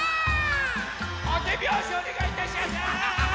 おてびょうしおねがいいたしやす！